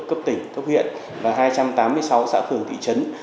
cấp tỉnh cấp huyện và hai trăm tám mươi sáu xã phường thị trấn